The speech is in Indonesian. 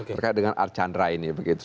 berkait dengan archandra ini